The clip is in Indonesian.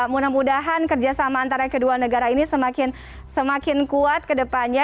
mudah mudahan kerjasama antara kedua negara ini semakin kuat ke depannya